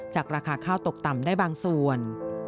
ราคาข้าวตกต่ำได้บางส่วน